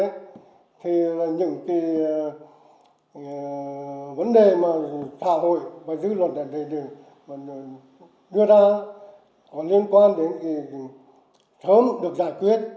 những vấn đề xã hội và dư luận được đưa ra có liên quan đến sớm được giải quyết